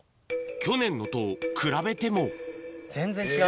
去年のと比べても全然違う。